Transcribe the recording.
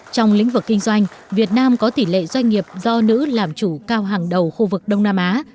trong lĩnh vực kinh doanh việt nam có tỷ lệ doanh nghiệp do nữ làm chủ cao hàng đầu khu vực đông nam á